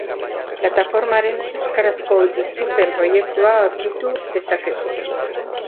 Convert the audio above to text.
Plataformaren euskarazko itzulpen-proiektua aurkitu dezakegu.